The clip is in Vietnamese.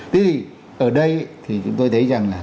thì ở đây thì chúng tôi thấy rằng là